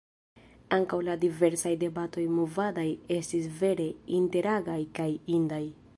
Ankaŭ la diversaj debatoj movadaj estis vere interagaj kaj indaj.